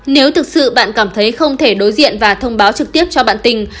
nếu thực sự bạn cảm thấy không thể đối diện và thông báo trực tiếp cho bạn tình